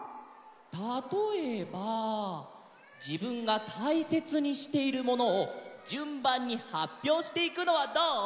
たとえばじぶんがたいせつにしているものをじゅんばんにはっぴょうしていくのはどう？